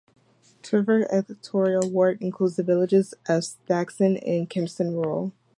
Turvey electoral ward includes the villages of Stagsden and Kempston Rural.